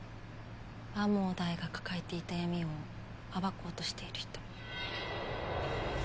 天羽大が抱えていた闇を暴こうとしている人。